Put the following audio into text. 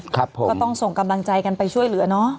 ก็ต้องส่งกำลังใจกันไปช่วยเหลือเนอะ